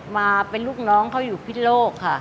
มาเป็นลูกน้องเขาอยู่พิศโลกค่ะ